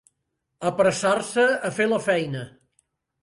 Apressar-se a fer la feina.